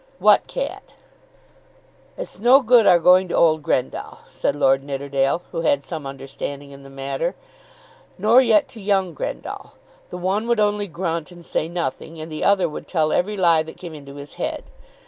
"What cat?" "It's no good our going to old Grendall," said Lord Nidderdale, who had some understanding in the matter, "nor yet to young Grendall. The one would only grunt and say nothing, and the other would tell every lie that came into his head.